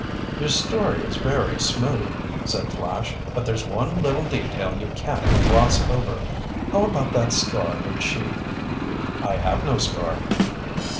"Your story is very smooth," said Flash, "but there's one little detail you can't gloss over. How about that scar on your cheek?" "I have no scar."